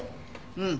うん。